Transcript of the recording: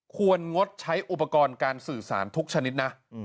งดใช้อุปกรณ์การสื่อสารทุกชนิดนะ